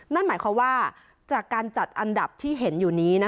นั่นหมายความว่าจากการจัดอันดับที่เห็นอยู่นี้